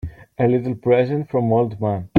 A little present from old man.